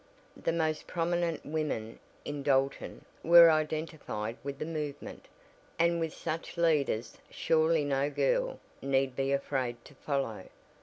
The most prominent women in Dalton were identified with the movement, and with such leaders surely no girl need be afraid to follow.